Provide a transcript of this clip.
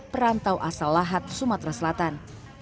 perantau asal lahat sumatera selatan